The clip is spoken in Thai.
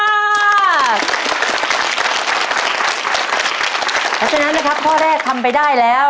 เพราะฉะนั้นนะครับข้อแรกทำไปได้แล้ว